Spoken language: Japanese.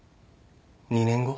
２年後？